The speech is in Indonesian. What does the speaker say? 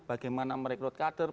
bagaimana merekrut kader